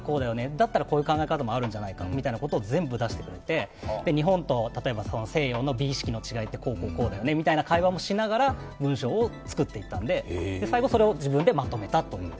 だったらこういう考え方もあるんじゃないかみたいなことを全部出してくれて日本と例えば西洋の美意識の違いってこうこうこうだよねって言いながら、文章を作っていったんで、最後それを自分でまとめたと。